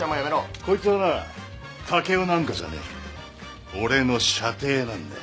こいつはな武雄なんかじゃねえ俺の舎弟なんだよ。